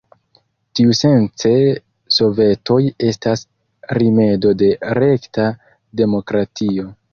Tiusence sovetoj estas rimedo de rekta demokratio.